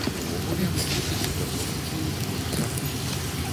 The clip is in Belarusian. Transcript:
Увогуле, музыкі супрацоўнічаюць больш за год.